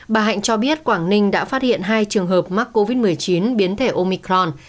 bà hạnh cho biết quảng ninh đã phát hiện hai trường hợp mắc covid một mươi chín biến thể omicron